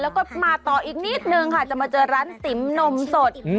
แล้วก็มาต่ออีกนิดนึงค่ะจะมาเจอร้านติ๋มนมสด